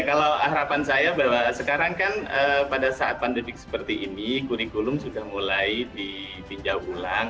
kalau harapan saya bahwa sekarang kan pada saat pandemik seperti ini kurikulum sudah mulai dipinjau ulang